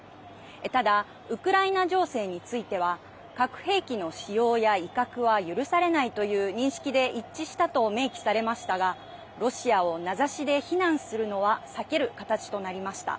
ただ、ウクライナ情勢については核兵器の使用や威嚇は許されないという認識で一致したと明記されましたがロシアを名指しで非難するのは避ける形となりました。